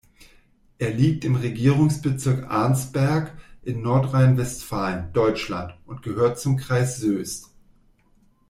Er liegt im Regierungsbezirk Arnsberg in Nordrhein-Westfalen, Deutschland und gehört zum Kreis Soest.